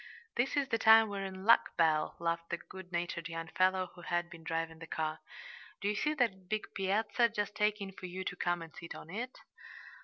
"This is the time we're in luck, Belle," laughed the good natured young fellow who had been driving the car. "Do you see that big piazza just aching for you to come and sit on it?"